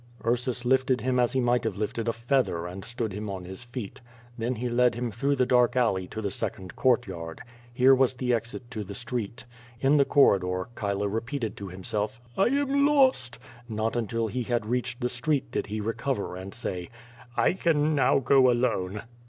Ursus lifted him as he might have lifted a feather and stood him on his feet. Then he led him through the dark alley to the second courtyard. Here was the exit to the street. In the corridor, Chilo repeated to himself, "I am lost!" Not until he had reached the street did he recover and say: "I can now go alone."